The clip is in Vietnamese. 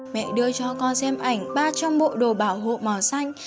mẹ đưa cho con xem ảnh ba trong bộ đồ bảo hộ màu xanh